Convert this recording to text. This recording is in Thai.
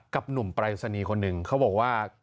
หนุ่มปรายศนีย์คนหนึ่งเขาบอกว่า